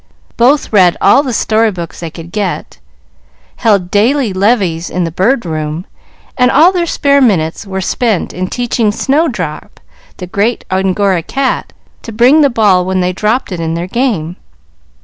Both read all the story books they could get, held daily levees in the Bird Room, and all their spare minutes were spent in teaching Snowdrop, the great Angora cat, to bring the ball when they dropped it in their game.